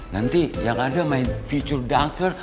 nanti yang ada future dokter